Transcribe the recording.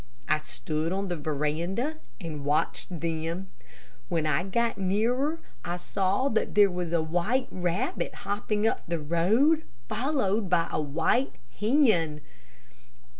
I stood on the veranda and watched them. When they got nearer, I saw that there was a white rabbit hopping up the road, followed by a white hen.